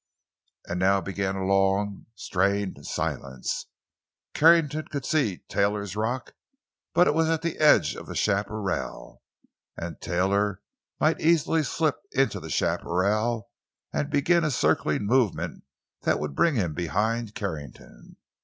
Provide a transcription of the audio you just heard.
And now began a long, strained silence. Carrington could see Taylor's rock, but it was at the edge of the chaparral, and Taylor might easily slip into the chaparral and begin a circling movement that would bring him behind Carrington.